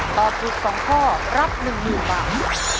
ต่อปลูกสองข้อรับหนึ่งหนึ่งบาท